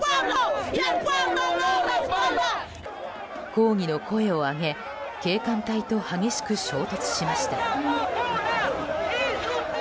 抗議の声を上げ警官隊と激しく衝突しました。